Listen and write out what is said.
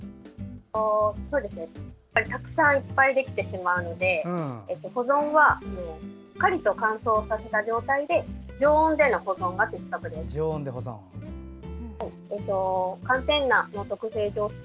たくさんできてしまうのでしっかりと乾燥させた状態で常温での保存が適切です。